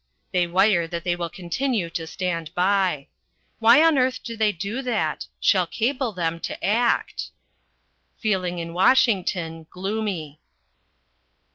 They wire that they will continue to stand by. Why on earth do they do that? Shall cable them to act. Feeling in Washington gloomy.